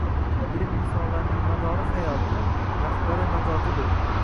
Ilm insonlarning madori hayoti, rahbari najotidur